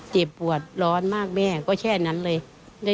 เจ็บปวดร้อนมากแม่ก็แค่นั้นเลย